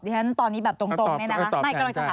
ฉันตอนนี้แบบตรงเนี่ยนะคะ